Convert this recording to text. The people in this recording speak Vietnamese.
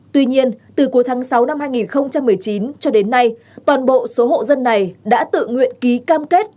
tuy nhiên từ cuối tháng sáu năm hai nghìn một mươi chín cho đến nay toàn bộ số hộ dân này đã tự nguyện ký cam kết